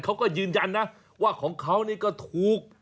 เค้าก็ยืนยันนะว่าของเค้าก็ถูก